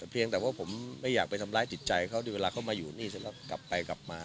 เพียงแต่ว่าผมไม่อยากไปทำร้ายจิตใจเขาด้วยเวลาเขามาอยู่นี่เสร็จแล้วกลับไปกลับมา